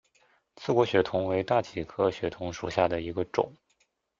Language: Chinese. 刺果血桐为大戟科血桐属下的一个种。